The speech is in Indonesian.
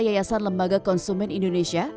yasar lembaga konsumen indonesia